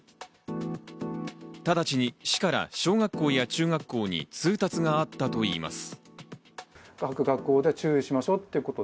ただちに市から小学校や中学校に通達があったといいます。